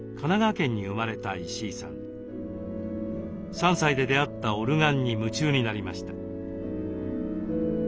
３歳で出会ったオルガンに夢中になりました。